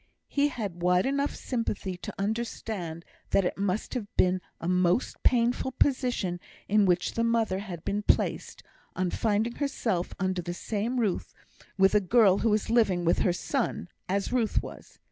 He had wide enough sympathy to understand that it must have been a most painful position in which the mother had been placed, on finding herself under the same roof with a girl who was living with her son, as Ruth was.